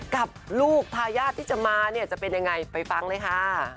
กับลูกทายาทที่จะมาเนี่ยจะเป็นยังไงไปฟังเลยค่ะ